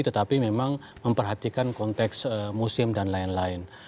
tetapi memang memperhatikan konteks musim dan lain lain